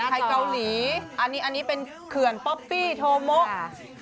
ไทยเกาหลีอันนี้เป็นเขื่อนป๊อปปี้โทมก